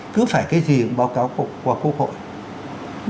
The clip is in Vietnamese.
cứ phải cái gì báo cáo qua quốc hội